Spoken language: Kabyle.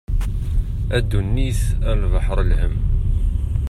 A ddunit a lebḥer n lhem.